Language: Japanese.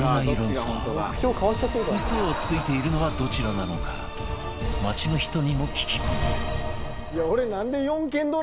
嘘をついているのはどちらなのか町の人にも聞き込み